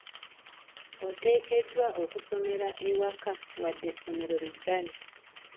Oteekeddwa okusomera ewaka wadde essomero liggale.